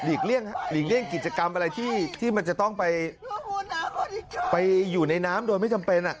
หลีกเลี่ยงกิจกรรมอะไรที่มันจะต้องไปอยู่ในน้ำโดยไม่จำเป็น